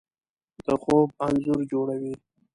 د خوب انځور جوړوي